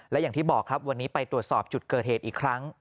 และอย่างที่บอกครับวันนี้ไปตรวจสอบจุดเกิดเหตุอีกครั้ง